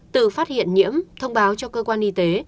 từ phát hiện nhiễm thông báo cho cơ quan y tế